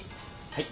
はい。